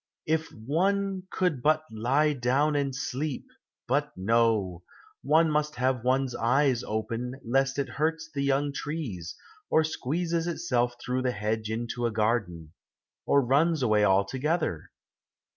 If one could but lie down and sleep, but no, one must have one's eyes open lest it hurts the young trees, or squeezes itself through the hedge into a garden, or runs away altogether.